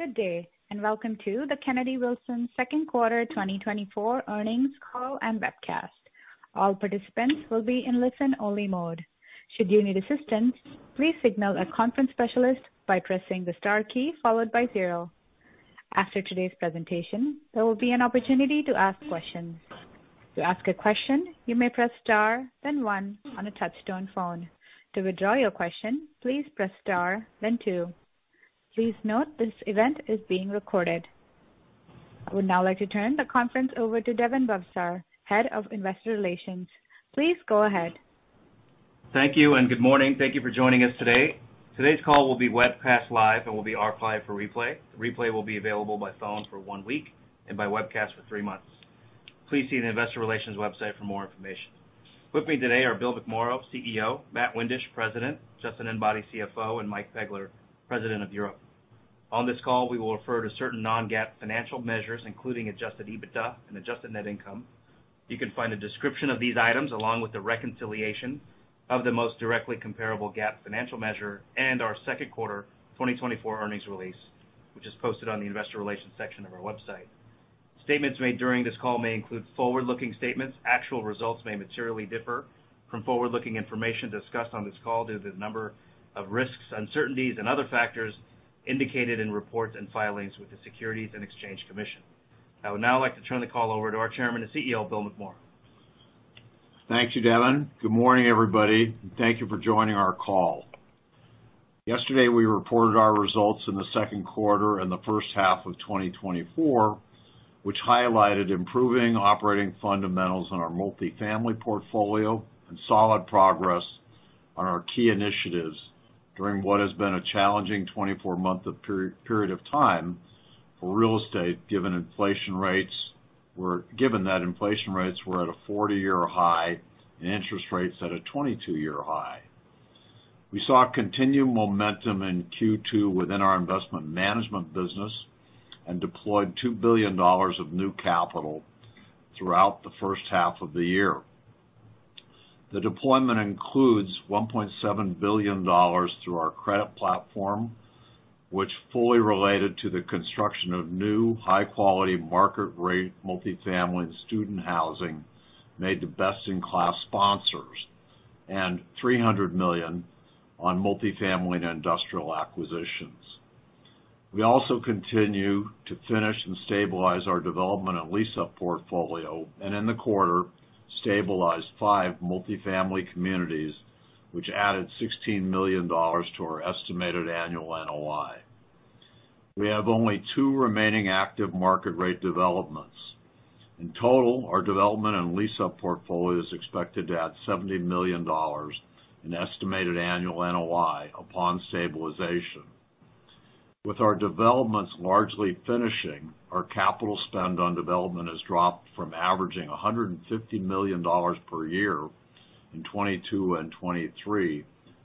Good day, and welcome to the Kennedy Wilson Second Quarter 2024 Earnings Call and Webcast. All participants will be in listen-only mode. Should you need assistance, please signal a conference specialist by pressing the star key followed by zero. After today's presentation, there will be an opportunity to ask questions. To ask a question, you may press star, then one on a touchtone phone. To withdraw your question, please press star, then two. Please note, this event is being recorded. I would now like to turn the conference over to Daven Bhavsar, Head of Investor Relations. Please go ahead. Thank you and good morning. Thank you for joining us today. Today's call will be webcast live and will be archived for replay. The replay will be available by phone for one week and by webcast for three months. Please see the investor relations website for more information. With me today are Bill McMorrow, CEO, Matt Windish, President, Justin Enbody, CFO, and Mike Pegler, President of Europe. On this call, we will refer to certain non-GAAP financial measures, including Adjusted EBITDA and Adjusted Net Income. You can find a description of these items, along with the reconciliation of the most directly comparable GAAP financial measure and our second quarter 2024 earnings release, which is posted on the investor relations section of our website. Statements made during this call may include forward-looking statements. Actual results may materially differ from forward-looking information discussed on this call due to the number of risks, uncertainties, and other factors indicated in reports and filings with the Securities and Exchange Commission. I would now like to turn the call over to our chairman and CEO, Bill McMorrow. Thank you, Daven. Good morning, everybody, and thank you for joining our call. Yesterday, we reported our results in the second quarter and the first half of 2024, which highlighted improving operating fundamentals in our multifamily portfolio and solid progress on our key initiatives during what has been a challenging 24-month period of time for real estate, given that inflation rates were at a 40-year high and interest rates at a 22-year high. We saw continued momentum in Q2 within our investment management business and deployed $2 billion of new capital throughout the first half of the year. The deployment includes $1.7 billion through our credit platform, which fully related to the construction of new, high-quality, market-rate, multifamily and student housing, made to best-in-class sponsors, and $300 million on multifamily and industrial acquisitions. We also continue to finish and stabilize our development and lease-up portfolio, and in the quarter, stabilized 5 multifamily communities, which added $16 million to our estimated annual NOI. We have only 2 remaining active market rate developments. In total, our development and lease-up portfolio is expected to add $70 million in estimated annual NOI upon stabilization. With our developments largely finishing, our capital spend on development has dropped from averaging $150 million per year in 2022 and 2023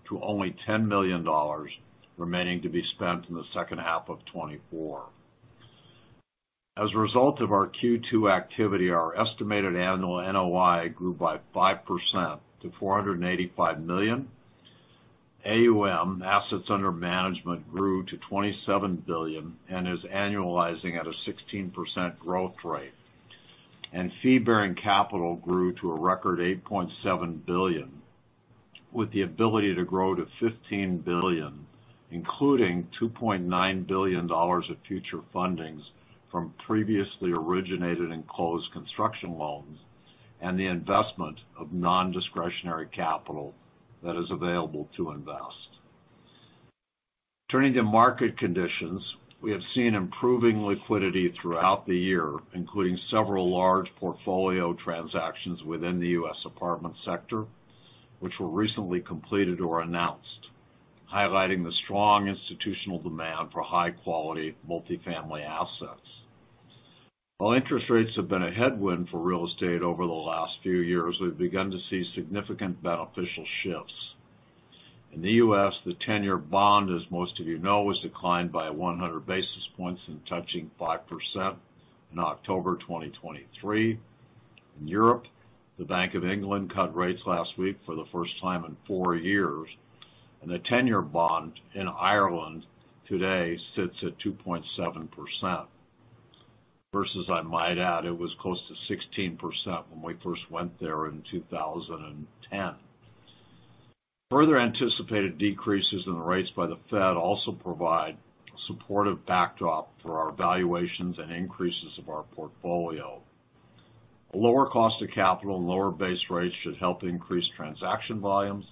to only $10 million remaining to be spent in the second half of 2024. As a result of our Q2 activity, our estimated annual NOI grew by 5% to $485 million. AUM, Assets Under Management, grew to $27 billion and is annualizing at a 16% growth rate. Fee-bearing capital grew to a record $8.7 billion, with the ability to grow to $15 billion, including $2.9 billion of future fundings from previously originated and closed construction loans, and the investment of non-discretionary capital that is available to invest. Turning to market conditions, we have seen improving liquidity throughout the year, including several large portfolio transactions within the U.S. apartment sector, which were recently completed or announced, highlighting the strong institutional demand for high-quality multifamily assets. While interest rates have been a headwind for real estate over the last few years, we've begun to see significant beneficial shifts. In the U.S., the ten-year bond, as most of you know, was declined by 100 basis points in touching 5% in October 2023. In Europe, the Bank of England cut rates last week for the first time in four years, and the ten-year bond in Ireland today sits at 2.7%. Versus, I might add, it was close to 16% when we first went there in 2010. Further anticipated decreases in the rates by the Fed also provide a supportive backdrop for our valuations and increases of our portfolio. A lower cost of capital and lower base rates should help increase transaction volumes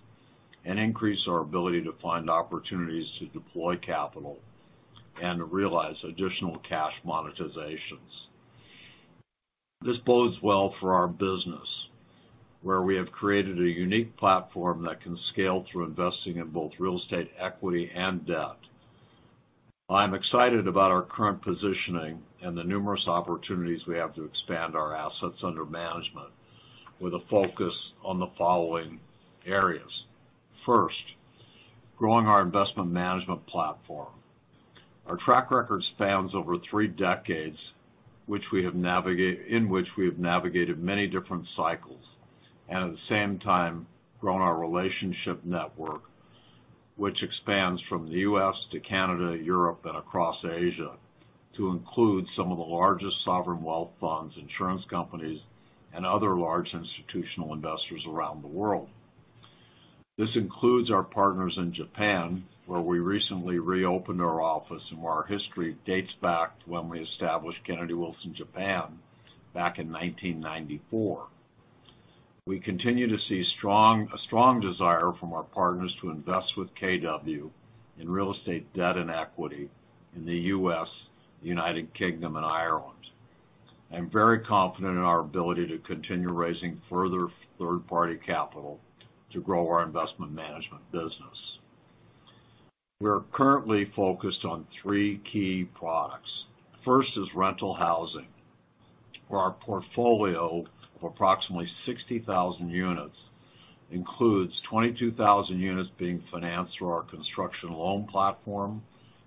and increase our ability to find opportunities to deploy capital and to realize additional cash monetizations. This bodes well for our business, where we have created a unique platform that can scale through investing in both real estate equity and debt. I'm excited about our current positioning and the numerous opportunities we have to expand our assets under management, with a focus on the following areas. First, growing our investment management platform. Our track record spans over three decades, in which we have navigated many different cycles and at the same time, grown our relationship network, which expands from the U.S. to Canada, Europe, and across Asia, to include some of the largest sovereign wealth funds, insurance companies, and other large institutional investors around the world. This includes our partners in Japan, where we recently reopened our office, and where our history dates back to when we established Kennedy Wilson Japan back in 1994. We continue to see a strong desire from our partners to invest with KW in real estate, debt, and equity in the U.S., United Kingdom, and Ireland. I'm very confident in our ability to continue raising further third-party capital to grow our investment management business. We are currently focused on three key products. First is rental housing, where our portfolio of approximately 60,000 units includes 22,000 units being financed through our construction loan platform,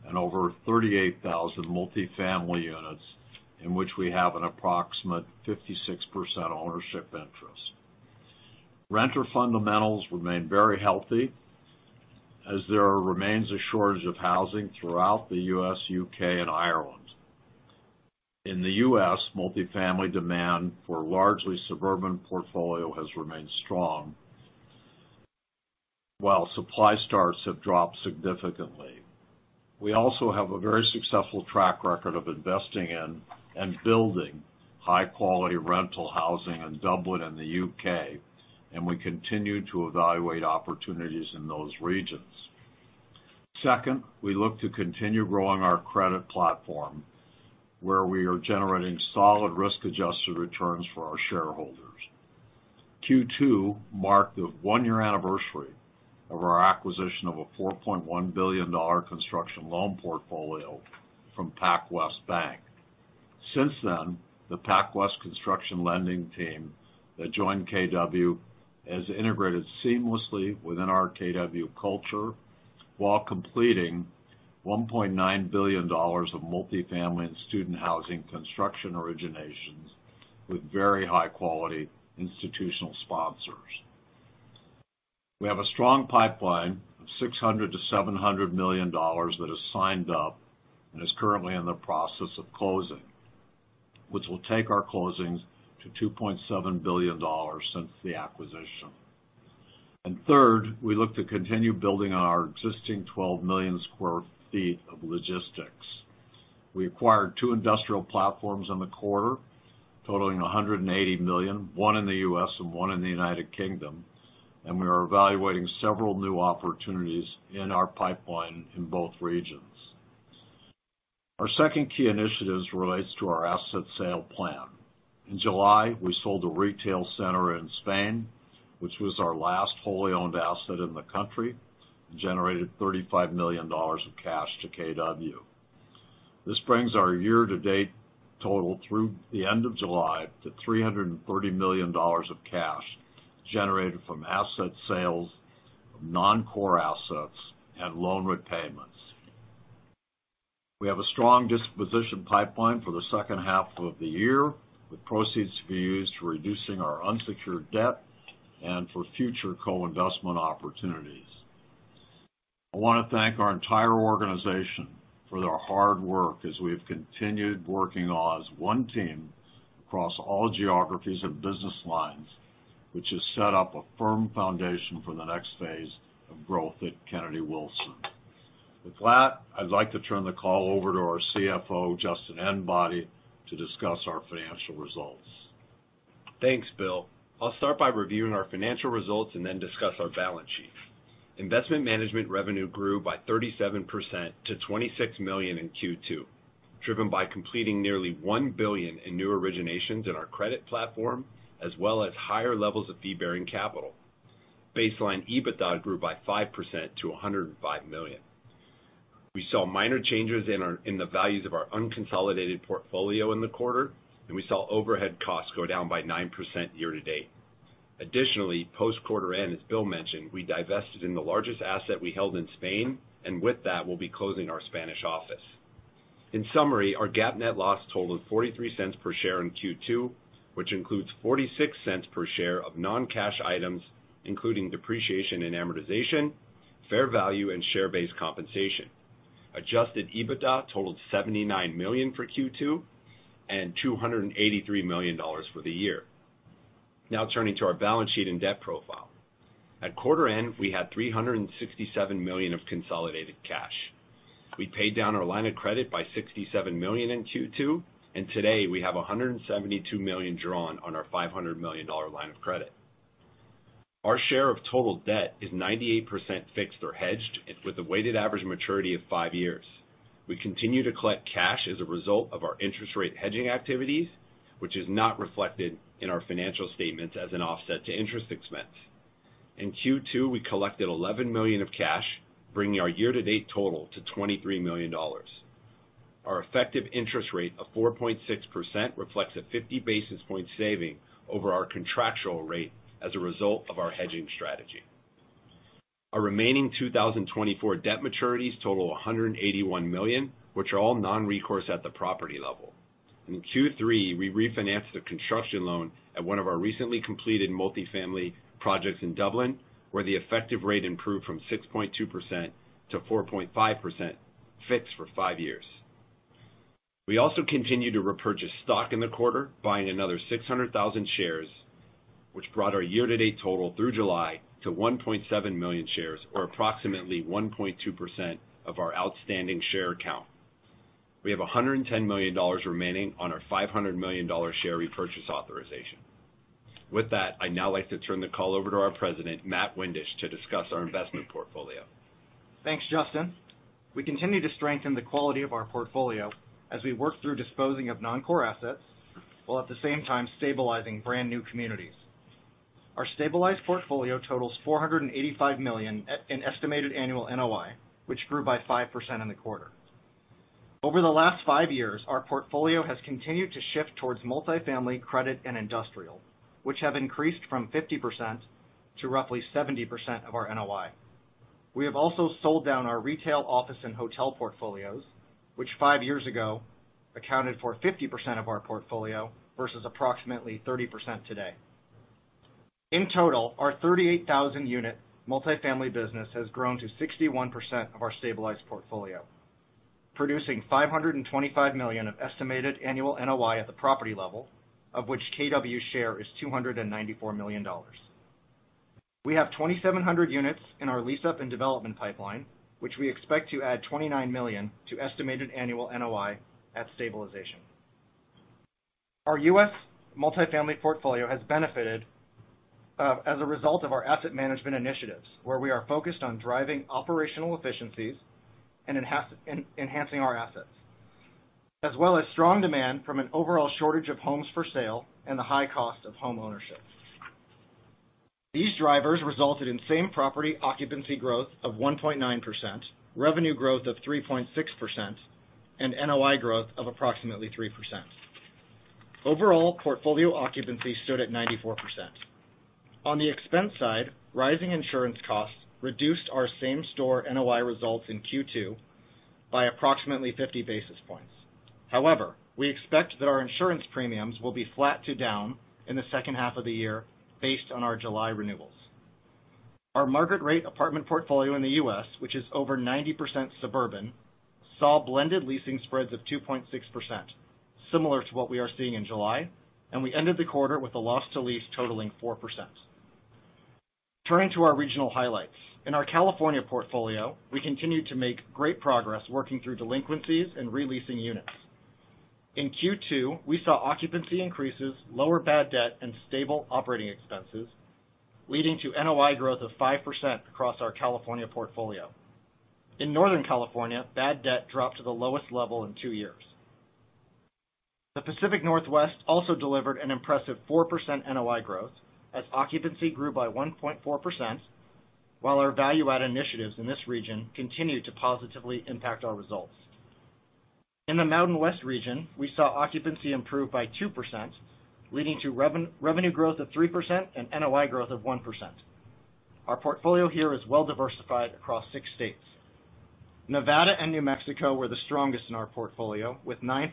and over 38,000 multifamily units, in which we have an approximate 56% ownership interest. Renter fundamentals remain very healthy, as there remains a shortage of housing throughout the U.S., U.K., and Ireland. In the U.S., multifamily demand for largely suburban portfolio has remained strong, while supply starts have dropped significantly. We also have a very successful track record of investing in and building high-quality rental housing in Dublin and the U.K., and we continue to evaluate opportunities in those regions. Second, we look to continue growing our credit platform, where we are generating solid risk-adjusted returns for our shareholders. Q2 marked the one-year anniversary of our acquisition of a $4.1 billion construction loan portfolio from PacWest Bank. Since then, the PacWest construction lending team that joined KW has integrated seamlessly within our KW culture, while completing $1.9 billion of multifamily and student housing construction originations with very high-quality institutional sponsors. We have a strong pipeline of $600 million-$700 million that is signed up and is currently in the process of closing, which will take our closings to $2.7 billion since the acquisition. And third, we look to continue building on our existing 12 million sq ft of logistics. We acquired two industrial platforms in the quarter, totaling $180 million, one in the U.S. and one in the United Kingdom, and we are evaluating several new opportunities in our pipeline in both regions. Our second key initiatives relates to our asset sale plan. In July, we sold a retail center in Spain, which was our last wholly-owned asset in the country, and generated $35 million of cash to KW. This brings our year-to-date total through the end of July to $330 million of cash, generated from asset sales, non-core assets, and loan repayments. We have a strong disposition pipeline for the second half of the year, with proceeds to be used for reducing our unsecured debt and for future co-investment opportunities. I want to thank our entire organization for their hard work, as we have continued working all as one team across all geographies and business lines, which has set up a firm foundation for the next phase of growth at Kennedy Wilson. With that, I'd like to turn the call over to our CFO, Justin Enbody, to discuss our financial results. Thanks, Bill. I'll start by reviewing our financial results and then discuss our balance sheet. Investment management revenue grew by 37% to $26 million in Q2, driven by completing nearly $1 billion in new originations in our credit platform, as well as higher levels of fee-bearing capital. Baseline EBITDA grew by 5% to $105 million. We saw minor changes in the values of our unconsolidated portfolio in the quarter, and we saw overhead costs go down by 9% year to date. Additionally, post-quarter end, as Bill mentioned, we divested in the largest asset we held in Spain, and with that, we'll be closing our Spanish office. In summary, our GAAP net loss totaled $0.43 per share in Q2, which includes $0.46 per share of non-cash items, including depreciation and amortization, fair value, and share-based compensation. Adjusted EBITDA totaled $79 million for Q2, and $283 million for the year. Now turning to our balance sheet and debt profile. At quarter end, we had $367 million of consolidated cash. We paid down our line of credit by $67 million in Q2, and today, we have $172 million drawn on our $500 million line of credit. Our share of total debt is 98% fixed or hedged, and with a weighted average maturity of five years. We continue to collect cash as a result of our interest rate hedging activities, which is not reflected in our financial statements as an offset to interest expense. In Q2, we collected $11 million of cash, bringing our year-to-date total to $23 million. Our effective interest rate of 4.6% reflects a 50 basis points saving over our contractual rate as a result of our hedging strategy. Our remaining 2024 debt maturities total $181 million, which are all non-recourse at the property level. In Q3, we refinanced a construction loan at one of our recently completed multifamily projects in Dublin, where the effective rate improved from 6.2% to 4.5%, fixed for five years. We also continued to repurchase stock in the quarter, buying another 600,000 shares, which brought our year-to-date total through July to 1.7 million shares, or approximately 1.2% of our outstanding share count. We have $110 million remaining on our $500 million share repurchase authorization. With that, I'd now like to turn the call over to our President, Matt Windish, to discuss our investment portfolio. Thanks, Justin. We continue to strengthen the quality of our portfolio as we work through disposing of non-core assets, while at the same time stabilizing brand-new communities. Our stabilized portfolio totals $485 million in estimated annual NOI, which grew by 5% in the quarter. Over the last 5 years, our portfolio has continued to shift towards multifamily, credit, and industrial, which have increased from 50% to roughly 70% of our NOI. We have also sold down our retail office and hotel portfolios, which 5 years ago accounted for 50% of our portfolio versus approximately 30% today. In total, our 38,000-unit multifamily business has grown to 61% of our stabilized portfolio, producing $525 million of estimated annual NOI at the property level, of which KW's share is $294 million. We have 2,700 units in our lease-up and development pipeline, which we expect to add $29 million to estimated annual NOI at stabilization. Our U.S. multifamily portfolio has benefited, as a result of our asset management initiatives, where we are focused on driving operational efficiencies and enhancing our assets, as well as strong demand from an overall shortage of homes for sale and the high cost of homeownership. These drivers resulted in same property occupancy growth of 1.9%, revenue growth of 3.6%, and NOI growth of approximately 3%. Overall, portfolio occupancy stood at 94%. On the expense side, rising insurance costs reduced our same store NOI results in Q2 by approximately 50 basis points. However, we expect that our insurance premiums will be flat to down in the second half of the year based on our July renewals. Our market rate apartment portfolio in the U.S., which is over 90% suburban, saw blended leasing spreads of 2.6%, similar to what we are seeing in July, and we ended the quarter with a loss to lease totaling 4%. Turning to our regional highlights. In our California portfolio, we continued to make great progress working through delinquencies and releasing units. In Q2, we saw occupancy increases, lower bad debt, and stable operating expenses, leading to NOI growth of 5% across our California portfolio. In Northern California, bad debt dropped to the lowest level in two years. The Pacific Northwest also delivered an impressive 4% NOI growth, as occupancy grew by 1.4%, while our value-add initiatives in this region continued to positively impact our results. In the Mountain West region, we saw occupancy improve by 2%, leading to revenue growth of 3% and NOI growth of 1%. Our portfolio here is well diversified across six states. Nevada and New Mexico were the strongest in our portfolio, with 9%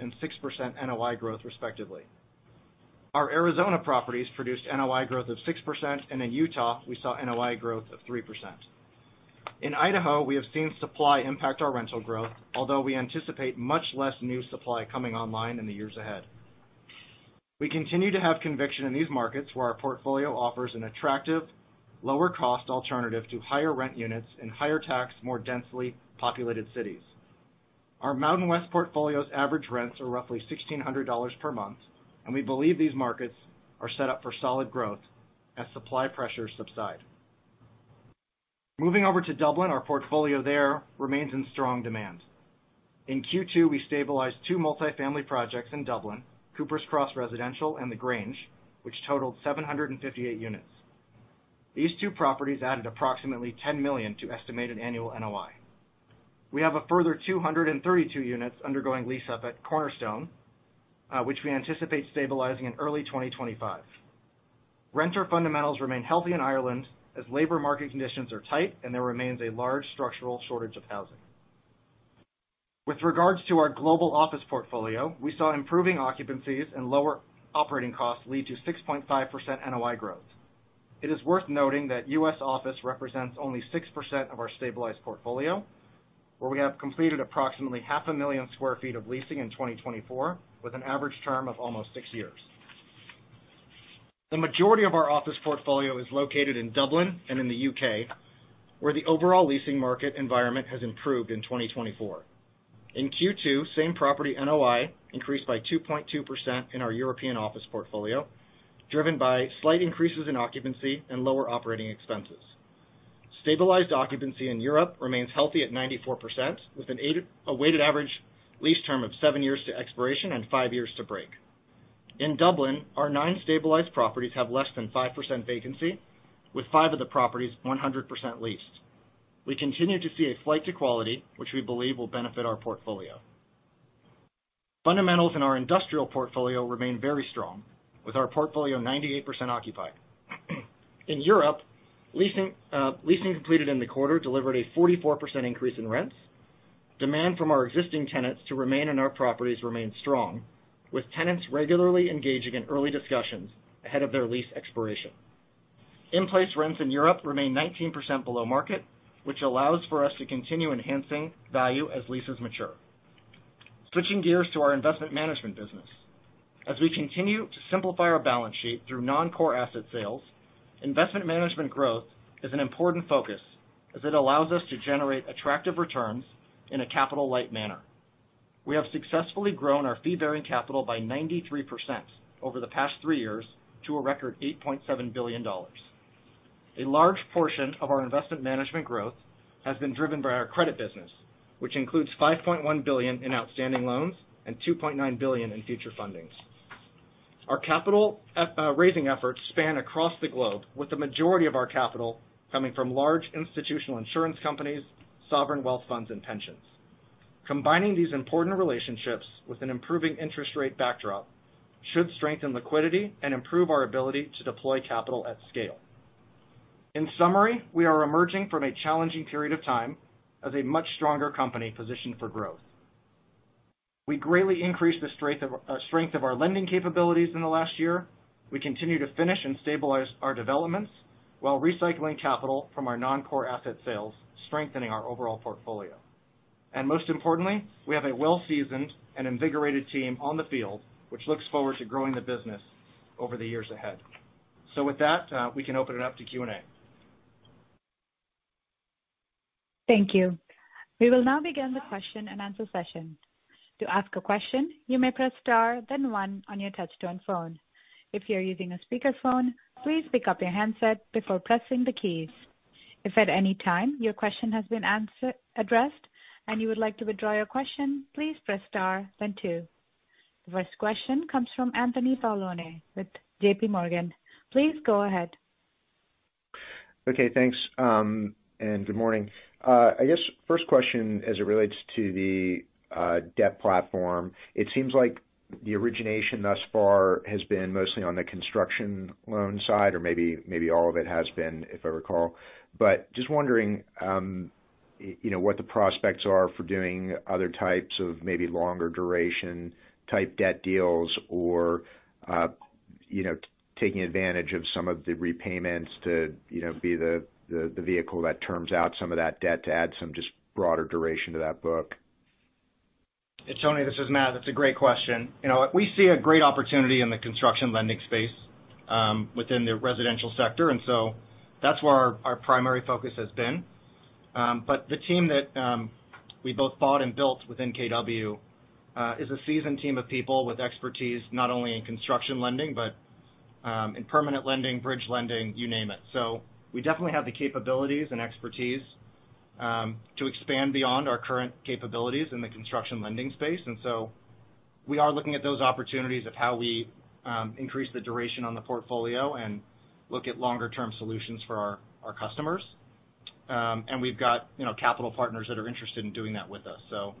and 6% NOI growth, respectively. Our Arizona properties produced NOI growth of 6%, and in Utah, we saw NOI growth of 3%. In Idaho, we have seen supply impact our rental growth, although we anticipate much less new supply coming online in the years ahead. We continue to have conviction in these markets, where our portfolio offers an attractive, lower-cost alternative to higher-rent units in higher-tax, more densely populated cities. Our Mountain West portfolio's average rents are roughly $1,600 per month, and we believe these markets are set up for solid growth as supply pressures subside. Moving over to Dublin, our portfolio there remains in strong demand. In Q2, we stabilized two multifamily projects in Dublin, Coopers Cross Residential and The Grange, which totaled 758 units. These two properties added approximately $10 million to estimated annual NOI. We have a further 232 units undergoing lease-up at Cornerstone, which we anticipate stabilizing in early 2025. Renter fundamentals remain healthy in Ireland as labor market conditions are tight, and there remains a large structural shortage of housing. With regards to our global office portfolio, we saw improving occupancies and lower operating costs lead to 6.5% NOI growth. It is worth noting that U.S. office represents only 6% of our stabilized portfolio, where we have completed approximately 500,000 sq ft of leasing in 2024, with an average term of almost 6 years. The majority of our office portfolio is located in Dublin and in the UK, where the overall leasing market environment has improved in 2024. In Q2, same property NOI increased by 2.2% in our European office portfolio, driven by slight increases in occupancy and lower operating expenses. Stabilized occupancy in Europe remains healthy at 94%, with a weighted average lease term of 7 years to expiration and 5 years to break. In Dublin, our 9 stabilized properties have less than 5% vacancy, with 5 of the properties 100% leased. We continue to see a flight to quality, which we believe will benefit our portfolio. Fundamentals in our industrial portfolio remain very strong, with our portfolio 98% occupied. In Europe, leasing, leasing completed in the quarter delivered a 44% increase in rents. Demand from our existing tenants to remain in our properties remains strong, with tenants regularly engaging in early discussions ahead of their lease expiration. In-place rents in Europe remain 19% below market, which allows for us to continue enhancing value as leases mature. Switching gears to our investment management business. As we continue to simplify our balance sheet through non-core asset sales, investment management growth is an important focus as it allows us to generate attractive returns in a capital-light manner. We have successfully grown our fee-bearing capital by 93% over the past three years to a record $8.7 billion. A large portion of our investment management growth has been driven by our credit business, which includes $5.1 billion in outstanding loans and $2.9 billion in future fundings. Our capital raising efforts span across the globe, with the majority of our capital coming from large institutional insurance companies, sovereign wealth funds, and pensions. Combining these important relationships with an improving interest rate backdrop should strengthen liquidity and improve our ability to deploy capital at scale. In summary, we are emerging from a challenging period of time as a much stronger company positioned for growth. We greatly increased the strength of, strength of our lending capabilities in the last year. We continue to finish and stabilize our developments while recycling capital from our non-core asset sales, strengthening our overall portfolio. And most importantly, we have a well-seasoned and invigorated team on the field, which looks forward to growing the business over the years ahead. So with that, we can open it up to Q&A. Thank you. We will now begin the question-and-answer session. To ask a question, you may press star, then one on your touchtone phone. If you're using a speakerphone, please pick up your handset before pressing the keys. If at any time your question has been addressed, and you would like to withdraw your question, please press star then two. The first question comes from Anthony Paolone with J.P. Morgan. Please go ahead. Okay, thanks, and good morning. I guess first question as it relates to the, debt platform. It seems like the origination thus far has been mostly on the construction loan side, or maybe, maybe all of it has been, if I recall. But just wondering, you know, what the prospects are for doing other types of maybe longer duration type debt deals or, you know, taking advantage of some of the repayments to, you know, be the vehicle that terms out some of that debt to add some just broader duration to that book. Hey, Tony, this is Matt. It's a great question. You know, we see a great opportunity in the construction lending space within the residential sector, and so that's where our, our primary focus has been. But the team that we both bought and built within KW is a seasoned team of people with expertise not only in construction lending, but in permanent lending, bridge lending, you name it. So we definitely have the capabilities and expertise to expand beyond our current capabilities in the construction lending space. And so we are looking at those opportunities of how we increase the duration on the portfolio and look at longer-term solutions for our, our customers. And we've got, you know, capital partners that are interested in doing that with us. So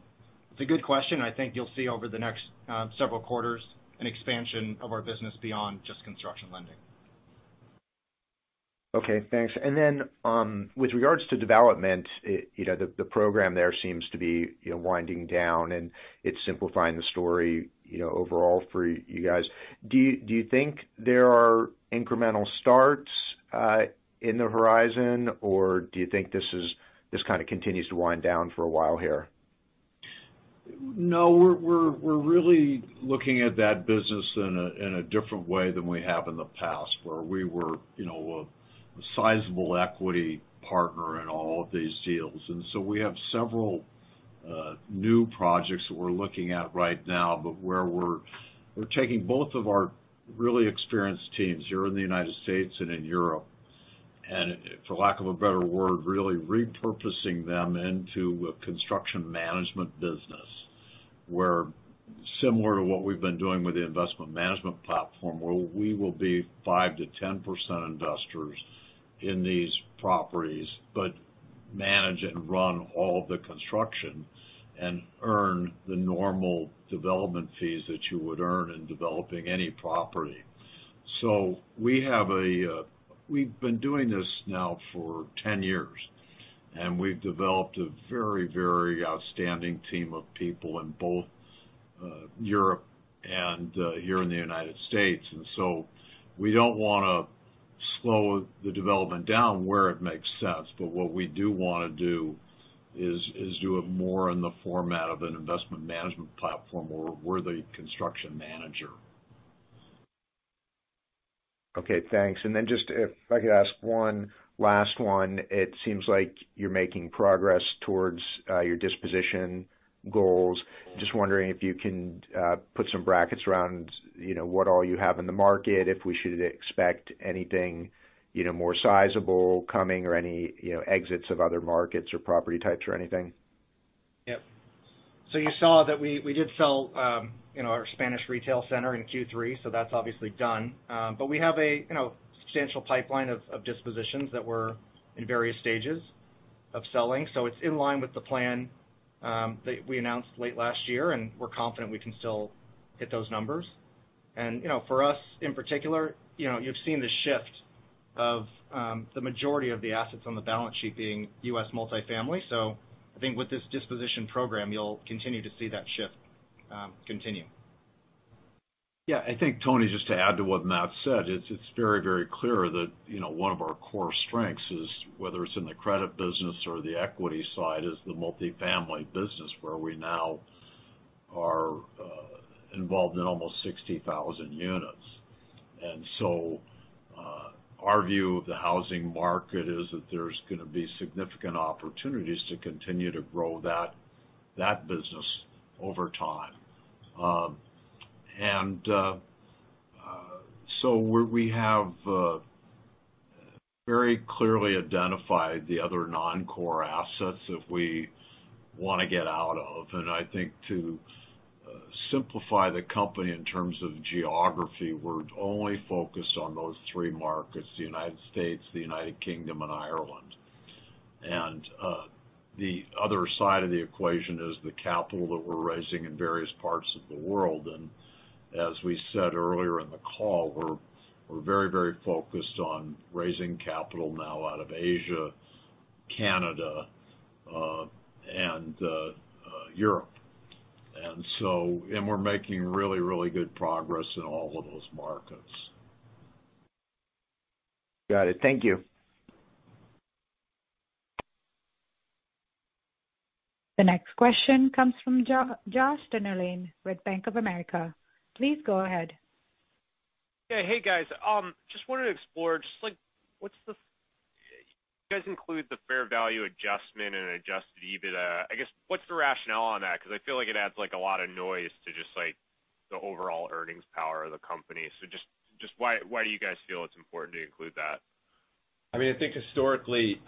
it's a good question, and I think you'll see over the next several quarters, an expansion of our business beyond just construction lending. Okay, thanks. And then, with regards to development, you know, the program there seems to be, you know, winding down, and it's simplifying the story, you know, overall for you guys. Do you think there are incremental starts in the horizon, or do you think this is, this kind of continues to wind down for a while here? No, we're really looking at that business in a different way than we have in the past, where we were, you know, a sizable equity partner in all of these deals. And so we have several new projects that we're looking at right now, but where we're taking both of our really experienced teams here in the United States and in Europe, and for lack of a better word, really repurposing them into a construction management business, where similar to what we've been doing with the investment management platform, where we will be 5%-10% investors in these properties, but manage and run all of the construction and earn the normal development fees that you would earn in developing any property. So we have a—we've been doing this now for 10 years, and we've developed a very, very outstanding team of people in both Europe and here in the United States. And so we don't want to slow the development down where it makes sense, but what we do want to do is do it more in the format of an investment management platform where we're the construction manager. Okay, thanks. And then just if I could ask one last one. It seems like you're making progress towards your disposition goals. Just wondering if you can put some brackets around, you know, what all you have in the market, if we should expect anything, you know, more sizable coming or any, you know, exits of other markets or property types or anything? Yep. So you saw that we did sell, you know, our Spanish retail center in Q3, so that's obviously done. But we have a, you know, substantial pipeline of dispositions that we're in various stages.... of selling. So it's in line with the plan, that we announced late last year, and we're confident we can still hit those numbers. And, you know, for us, in particular, you know, you've seen the shift of, the majority of the assets on the balance sheet being U.S. multifamily. So I think with this disposition program, you'll continue to see that shift, continue. Yeah, I think, Tony, just to add to what Matt said, it's, it's very, very clear that, you know, one of our core strengths is whether it's in the credit business or the equity side, is the multifamily business, where we now are involved in almost 60,000 units. And so, our view of the housing market is that there's going to be significant opportunities to continue to grow that, that business over time. And so we have very clearly identified the other non-core assets that we want to get out of. And I think to simplify the company in terms of geography, we're only focused on those three markets, the United States, the United Kingdom, and Ireland. And the other side of the equation is the capital that we're raising in various parts of the world. As we said earlier in the call, we're very, very focused on raising capital now out of Asia, Canada, and Europe. And we're making really, really good progress in all of those markets. Got it. Thank you. The next question comes from Jo- Josh Dennerlein with Bank of America. Please go ahead. Yeah. Hey, guys, just wanted to explore, just like, what's the... You guys include the fair value adjustment and Adjusted EBITDA. I guess, what's the rationale on that? Because I feel like it adds, like, a lot of noise to just, like, the overall earnings power of the company. So just, just why, why do you guys feel it's important to include that? I mean, I think historically,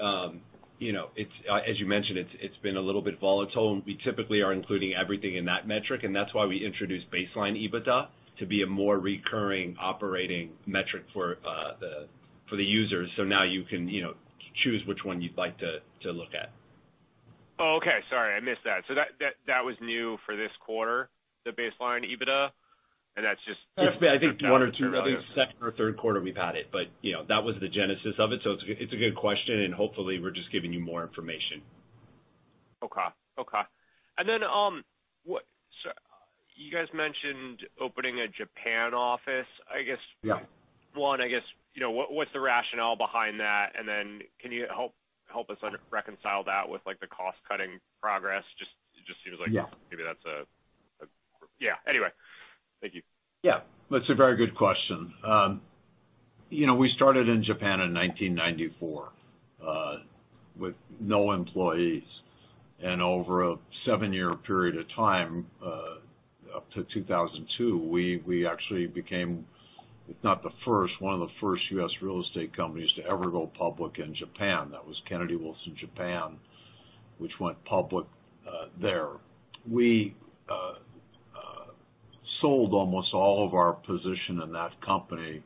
you know, it's, as you mentioned, it's been a little bit volatile, and we typically are including everything in that metric, and that's why we introduced Baseline EBITDA to be a more recurring operating metric for the, for the users. So now you can, you know, choose which one you'd like to look at. Oh, okay. Sorry, I missed that. So that was new for this quarter, the Baseline EBITDA, and that's just- Definitely, I think, one or two, I think second or third quarter we've had it, but, you know, that was the genesis of it. So it's, it's a good question, and hopefully, we're just giving you more information. Okay. Okay. Then, what, so you guys mentioned opening a Japan office, I guess? Yeah. One, I guess, you know, what, what's the rationale behind that? And then can you help, help us understand and reconcile that with, like, the cost-cutting progress? Just, just seems like- Yeah... maybe that's... Yeah. Anyway, thank you. Yeah, that's a very good question. You know, we started in Japan in 1994 with no employees, and over a 7-year period of time up to 2002, we actually became, if not the first, one of the first U.S. real estate companies to ever go public in Japan. That was Kennedy Wilson Japan, which went public there. We sold almost all of our position in that company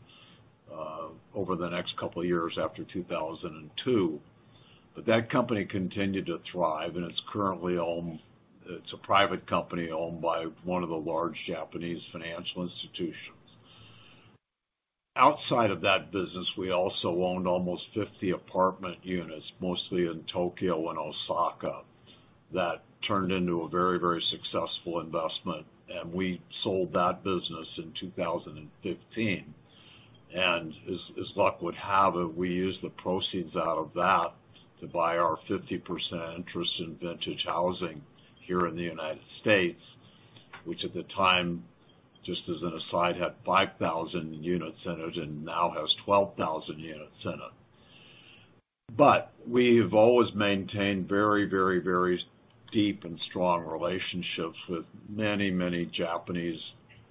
over the next couple of years after 2002. But that company continued to thrive, and it's currently owned—it's a private company owned by one of the large Japanese financial institutions. Outside of that business, we also owned almost 50 apartment units, mostly in Tokyo and Osaka. That turned into a very, very successful investment, and we sold that business in 2015. And as, as luck would have it, we used the proceeds out of that to buy our 50% interest in Vintage Housing here in the United States, which at the time, just as an aside, had 5,000 units in it and now has 12,000 units in it. But we've always maintained very, very, very deep and strong relationships with many, many Japanese,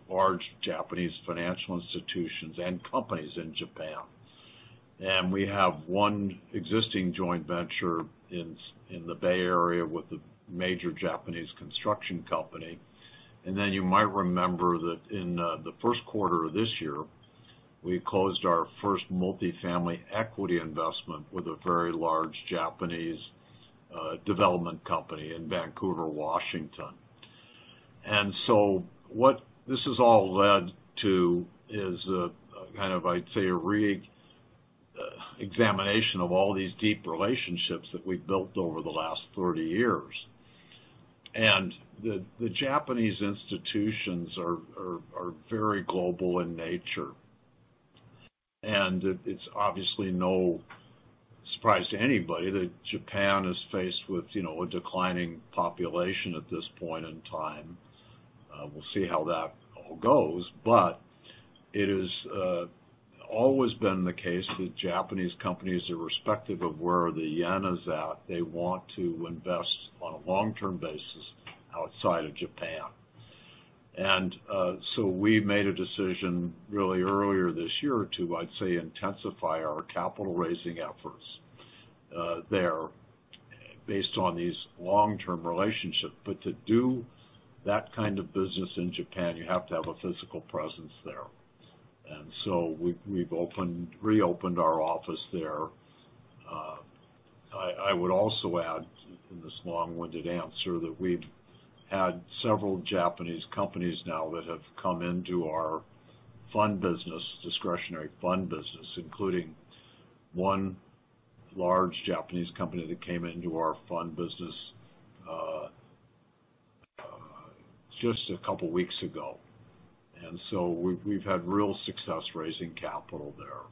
large Japanese financial institutions and companies in Japan. And we have one existing joint venture in in the Bay Area with a major Japanese construction company. And then you might remember that in, the first quarter of this year, we closed our first multifamily equity investment with a very large Japanese, development company in Vancouver, Washington. So what this has all led to is a kind of, I'd say, a reexamination of all these deep relationships that we've built over the last 30 years. The Japanese institutions are very global in nature. It's obviously no surprise to anybody that Japan is faced with, you know, a declining population at this point in time. We'll see how that all goes, but it is always been the case that Japanese companies, irrespective of where the yen is at, they want to invest on a long-term basis outside of Japan. So we made a decision really earlier this year to, I'd say, intensify our capital raising efforts there based on these long-term relationships. But to do that kind of business in Japan, you have to have a physical presence there. And so we've opened, reopened our office there. I would also add, in this long-winded answer, that we've had several Japanese companies now that have come into our fund business, discretionary fund business, including one large Japanese company that came into our fund business, just a couple weeks ago. And so we've had real success raising capital there.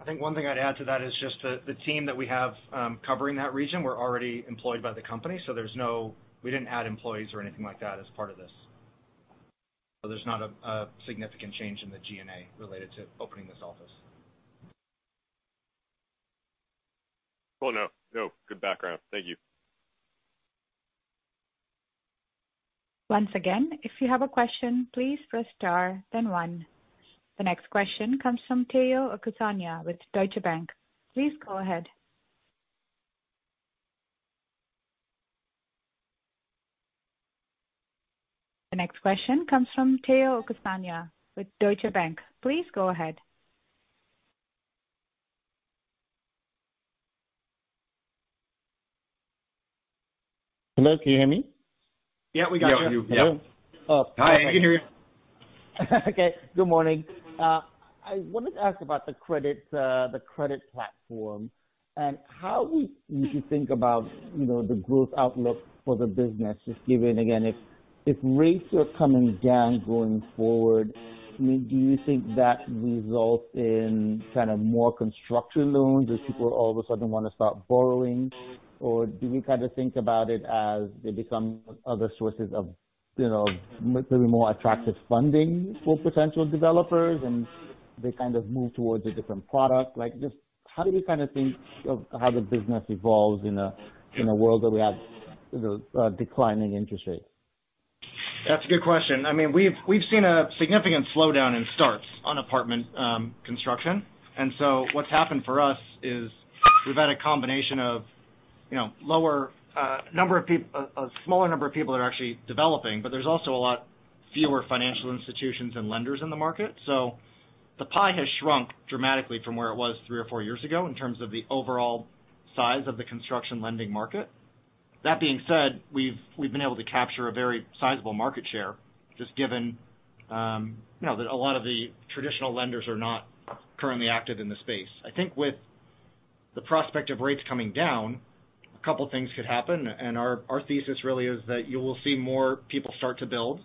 I think one thing I'd add to that is just the team that we have covering that region were already employed by the company, so there's no, we didn't add employees or anything like that as part of this. So there's not a significant change in the G&A related to opening this office. Well, no, no, good background. Thank you. Once again, if you have a question, please press Star, then One. The next question comes from Tayo Okusanya with Deutsche Bank. Please go ahead. The next question comes from Tayo Okusanya with Deutsche Bank. Please go ahead. Hello, can you hear me? Yeah, we got you. Yeah, we hear you. Hello. Oh. Hi, I can hear you. Okay, good morning. I wanted to ask about the credit, the credit platform, and how you should think about, you know, the growth outlook for the business, just given again, if, if rates are coming down going forward, I mean, do you think that results in kind of more construction loans, as people all of a sudden want to start borrowing? Or do we kind of think about it as they become other sources of, you know, maybe more attractive funding for potential developers, and they kind of move towards a different product? Like, just how do we kind of think of how the business evolves in a, in a world where we have, you know, declining interest rates? That's a good question. I mean, we've, we've seen a significant slowdown in starts on apartment construction. And so what's happened for us is we've had a combination of, you know, lower number of people that are actually developing, but there's also a lot fewer financial institutions and lenders in the market. So the pie has shrunk dramatically from where it was three or four years ago in terms of the overall size of the construction lending market. That being said, we've, we've been able to capture a very sizable market share, just given, you know, that a lot of the traditional lenders are not currently active in the space. I think with the prospect of rates coming down, a couple things could happen, and our thesis really is that you will see more people start to build,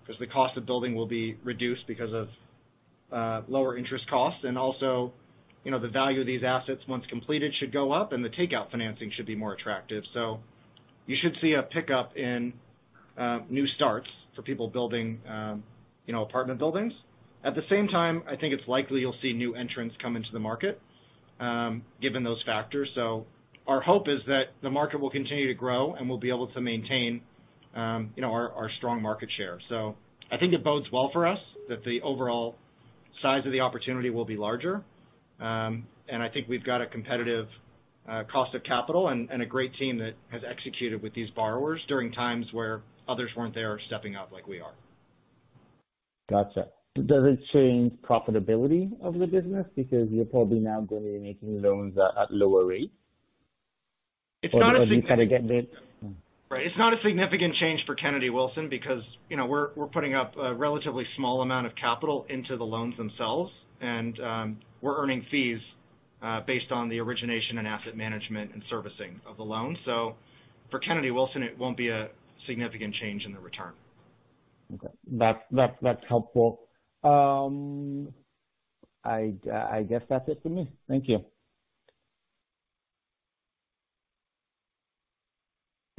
because the cost of building will be reduced because of lower interest costs. And also, you know, the value of these assets, once completed, should go up, and the takeout financing should be more attractive. So you should see a pickup in new starts for people building, you know, apartment buildings. At the same time, I think it's likely you'll see new entrants come into the market, given those factors. So our hope is that the market will continue to grow and we'll be able to maintain, you know, our strong market share. So I think it bodes well for us that the overall size of the opportunity will be larger. And I think we've got a competitive cost of capital and a great team that has executed with these borrowers during times where others weren't there or stepping up like we are. Gotcha. Does it change profitability of the business? Because you're probably now going to be making loans at, at lower rates. It's not a- Or do you kind of get it? Right. It's not a significant change for Kennedy Wilson, because, you know, we're, we're putting up a relatively small amount of capital into the loans themselves, and, we're earning fees, based on the origination and asset management and servicing of the loan. So for Kennedy Wilson, it won't be a significant change in the return. Okay. That's, that's, that's helpful. I'd, I guess that's it for me. Thank you.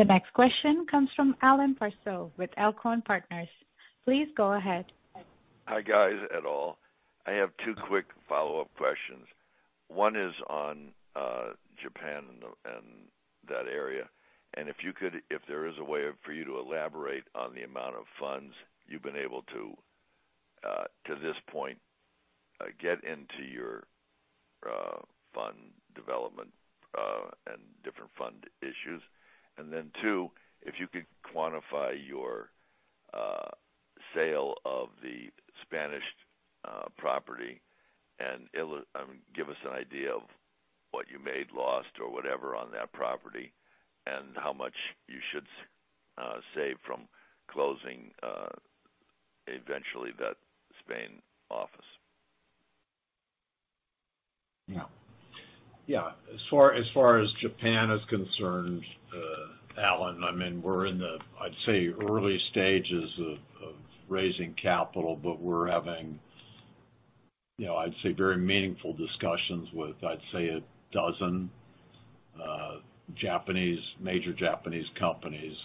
The next question comes from Alan Parsow, with Elkhorn Partners. Please go ahead. Hi, guys, at all. I have two quick follow-up questions. One is on Japan and that area. And if you could, if there is a way for you to elaborate on the amount of funds you've been able to this point get into your fund development and different fund issues. And then two, if you could quantify your sale of the Spanish property and give us an idea of what you made, lost, or whatever on that property, and how much you should save from closing eventually that Spain office. Yeah. Yeah. As far as Japan is concerned, Alan, I mean, we're in the, I'd say, early stages of raising capital, but we're having, you know, I'd say, very meaningful discussions with, I'd say, 12 major Japanese companies.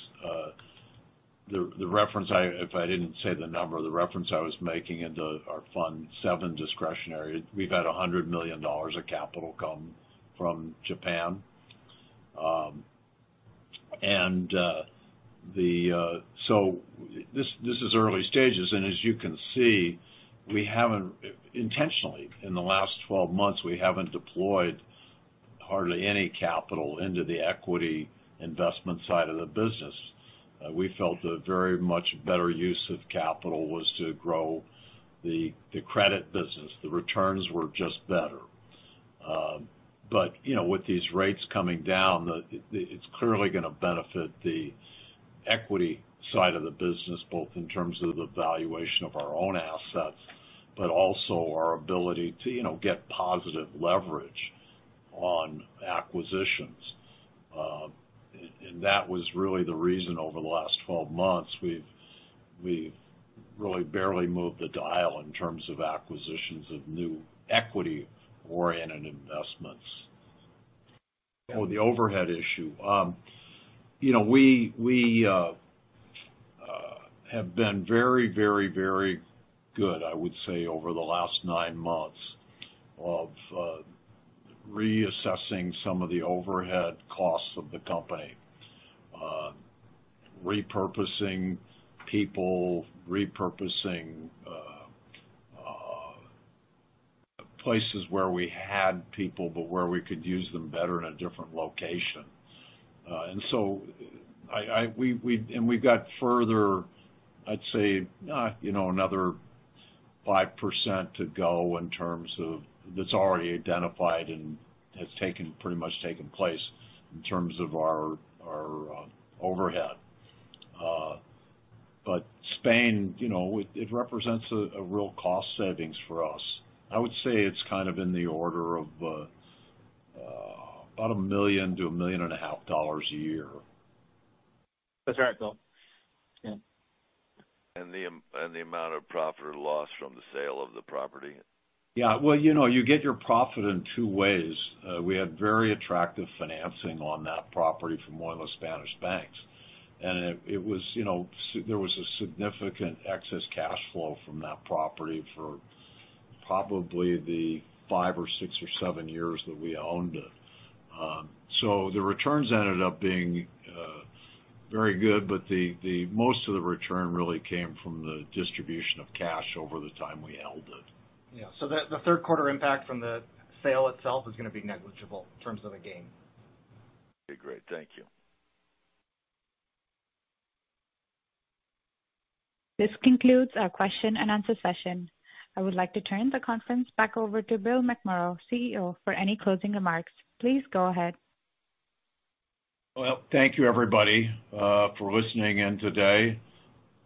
The reference I-- if I didn't say the number, the reference I was making into our Fund VII discretionary, we've had $100 million of capital come from Japan. So this is early stages, and as you can see, we haven't, intentionally, in the last 12 months, we haven't deployed hardly any capital into the equity investment side of the business. We felt a very much better use of capital was to grow the credit business. The returns were just better. But, you know, with these rates coming down, it's clearly gonna benefit the equity side of the business, both in terms of the valuation of our own assets, but also our ability to, you know, get positive leverage on acquisitions. And that was really the reason over the last 12 months, we've really barely moved the dial in terms of acquisitions of new equity-oriented investments. Oh, the overhead issue. You know, we have been very, very, very good, I would say, over the last 9 months of reassessing some of the overhead costs of the company. Repurposing people, repurposing places where we had people, but where we could use them better in a different location. And so we've got further, I'd say, you know, another 5% to go in terms of... That's already identified and has pretty much taken place in terms of our overhead. But Spain, you know, it represents a real cost savings for us. I would say it's kind of in the order of about $1 million-$1.5 million a year. That's right, Bill. Yeah. And the amount of profit or loss from the sale of the property? Yeah. Well, you know, you get your profit in two ways. We had very attractive financing on that property from one of the Spanish banks. And it was, you know, there was a significant excess cash flow from that property for probably the 5 or 6 or 7 years that we owned it. So the returns ended up being very good, but the most of the return really came from the distribution of cash over the time we held it. Yeah. So the third quarter impact from the sale itself is gonna be negligible in terms of a gain. Okay, great. Thank you. This concludes our question and answer session. I would like to turn the conference back over to Bill McMorrow, CEO, for any closing remarks. Please go ahead. Well, thank you, everybody, for listening in today.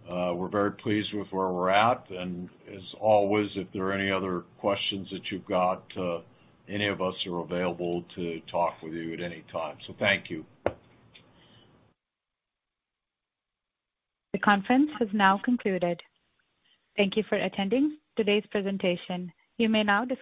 We're very pleased with where we're at, and as always, if there are any other questions that you've got, any of us are available to talk with you at any time. So thank you. The conference has now concluded. Thank you for attending today's presentation. You may now disconnect.